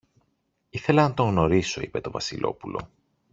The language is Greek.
Ήθελα να τον γνωρίσω, είπε το Βασιλόπουλο.